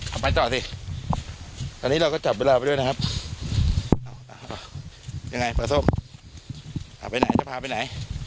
เอาไปต่อสิตอนนี้เราก็จับเวลาไปด้วยนะครับยังไงปลาส้มเอาไปไหนจะพาไปไหน